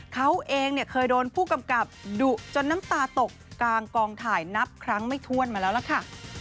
เขาเองเนี่ยเคยโดนผู้กำกับดุจนน้ำตาตกกลางกองถ่ายนับครั้งไม่ถ้วนมาแล้วล่ะค่ะ